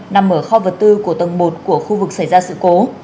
nằm ở kho vật tư của tầng một của khu vực xảy ra sự cố